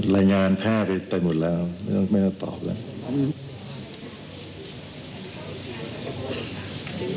รายงานแพทย์ไปหมดแล้วไม่ต้องตอบแล้ว